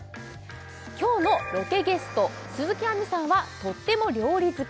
今日のロケゲスト鈴木亜美さんはとっても料理好き